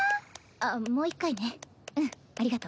あっもう一回ねうんありがとう。